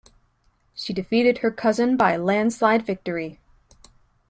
She defeated her cousin by a landslide victory.